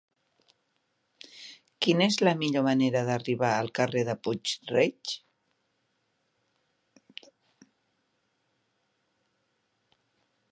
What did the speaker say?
Quina és la millor manera d'arribar al carrer de Puig-reig?